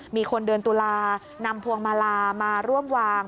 มีคนเดือนตุลานำพวงมาลามาร่วมวาง